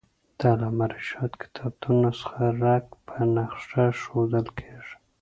د علامه رشاد کتابتون نسخه رک په نخښه ښوول کېږي.